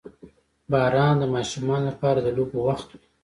• باران د ماشومانو لپاره د لوبو وخت وي.